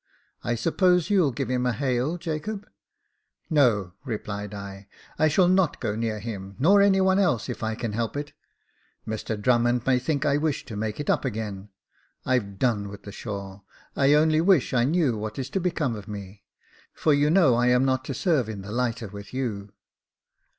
I suppose you'll give him a hail, Jacob ?"*' No," replied I, I shall not go near him, nor any one else, if I can help it. Mr Drummond may think I wish to make it up again. I've done with the shore. I only wish I Jacob Faithful 179 knew what is to become of me ; for you know I am not to serve in the lighter with you."